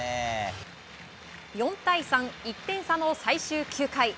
４対３、１点差の最終９回。